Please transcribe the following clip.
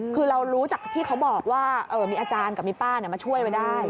คือเรารู้จากที่เขาบอกว่ามีอาจารย์กับมีป้ามาช่วยไว้ได้